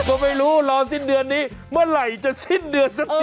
ก็ไม่รู้รอสิ้นเดือนนี้เมื่อไหร่จะสิ้นเดือนสักที